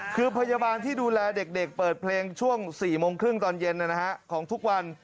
คือพยาบาลที่ดูแลเด็กเปิดเพลงช่วง๔โมงครึ่งตอนเย็นของทุกวัน